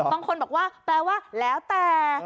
บางคนแปลว่าแล้วแต่